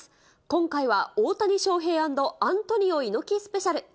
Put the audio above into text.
今回は大谷翔平＆アントニオ猪木スペシャル。